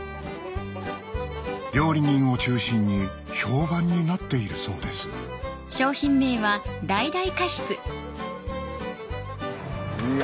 料理人を中心に評判になっているそうですいや